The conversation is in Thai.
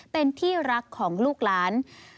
เป็นที่รักของลูกหลาน